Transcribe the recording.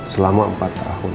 selama empat tahun